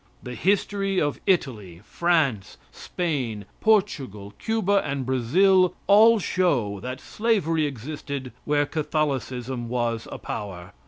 The history of Italy, France, Spain, Portugal, Cuba, and Brazil all show that slavery existed where Catholicism was a power.